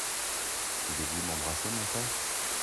Voulez-vous m’embrasser, mon père ?